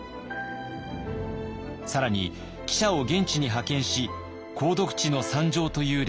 更に記者を現地に派遣し「鉱毒地の惨状」という連載を展開。